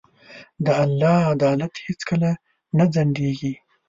د الله عدالت هیڅکله نه ځنډېږي.